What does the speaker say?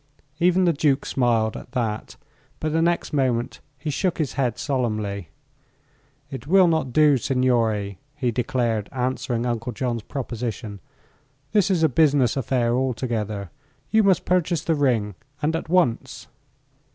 Even the duke smiled, at that, but the next moment he shook his head solemnly. "It will not do, signore," he declared, answering Uncle John's proposition. "This is a business affair altogether. You must purchase the ring, and at once."